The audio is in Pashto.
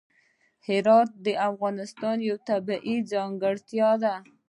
جواهرات د افغانستان یوه طبیعي ځانګړتیا ده.